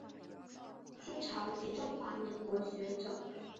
清朝及中华民国学者。